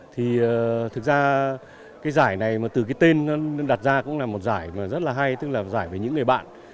thực ra cái giải này từ cái tên đặt ra cũng là một giải rất là hay tức là giải về những người bạn